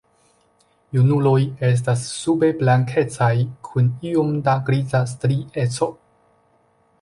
Junuloj estas sube blankecaj kun iom da griza strieco.